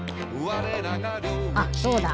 あそうだ。